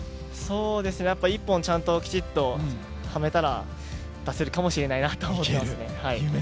やっぱり１本ちゃんときちんとはめたら出せるかなと思っていますね。